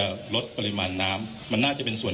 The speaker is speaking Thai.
คุณผู้ชมไปฟังผู้ว่ารัฐกาลจังหวัดเชียงรายแถลงตอนนี้ค่ะ